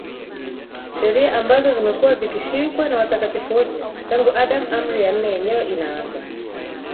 Sheria ambazo zimekuwa zikishikwa na watakatifu wote tangu Adam Amri ya Nne yenyewe inaanza